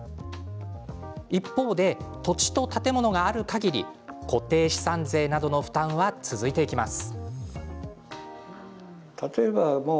一方で土地と建物があるかぎり固定資産税などの負担は続いていきます。